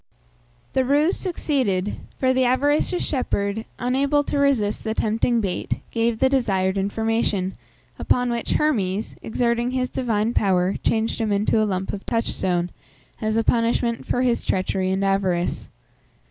The ruse succeeded, for the avaricious shepherd, unable to resist the tempting bait, gave the desired information, upon which Hermes, exerting his divine power, changed him into a lump of touchstone, as a punishment for his treachery and avarice.